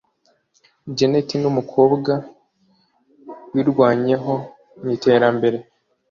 Jeanette numukobwa wirwanyeho mwiterambere